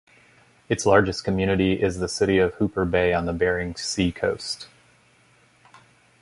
Its largest community is the city of Hooper Bay, on the Bering Sea coast.